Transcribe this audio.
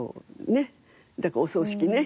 だからお葬式ね一緒に。